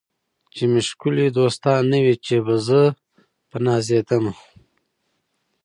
چي مي ښکلي دوستان نه وي چي به زه په نازېدمه